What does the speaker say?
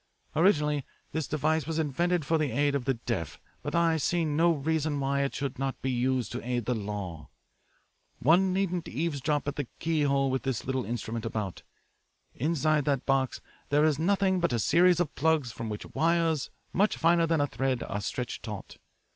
Originally this device was invented for the aid of the deaf, but I see no reason why it should not be used to aid the law. One needn't eavesdrop at the keyhole with this little instrument about. Inside that box there is nothing but a series of plugs from which wires, much finer than a thread, are stretched taut.